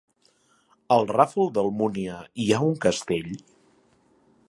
A el Ràfol d'Almúnia hi ha un castell?